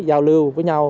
giao lưu với nhau